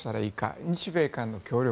日米韓の協力